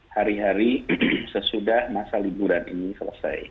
hari hari sesudah masa liburan ini selesai